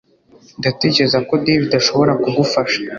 Ndatekereza ko David ashobora kugufasha